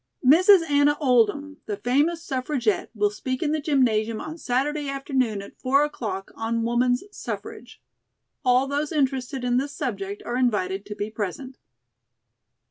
"Mrs. Anna Oldham, the famous suffragette, will speak in the gymnasium on Saturday afternoon, at four o'clock, on 'Woman's Suffrage.' All those interested in this subject are invited to be present."